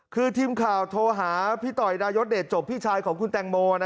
คือทีมข่าวโทรหาพี่ต่อยดายศเดชจบพี่ชายของคุณแตงโม